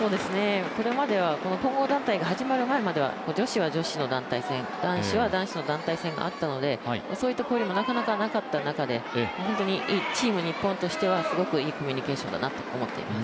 これまでは混合団体が始まるまでは女子は女子の団体戦男子は男子の団体戦があったのでそういった交流もなかなかなかった中でチーム日本としてはすごくいいコミュニケーションだなと思っています。